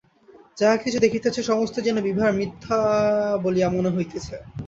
যাহা কিছু দেখিতেছে সমস্তই যেন বিভার মিথ্যা বলিয়া মনে হইতেছে।